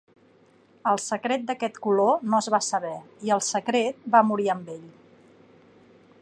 El secret d'aquest color no es va saber i el secret va morir amb ell.